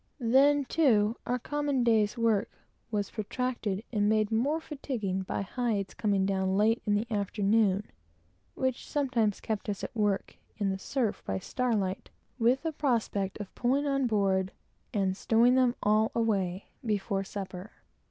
Then, too, our common day's work was protracted and made more fatiguing by hides coming down late in the afternoon, which sometimes kept us at work in the surf by star light, with the prospect of pulling on board, and stowing them all away, before supper.